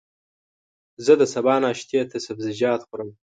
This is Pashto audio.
زه د سبا ناشتې ته سبزيجات خورم.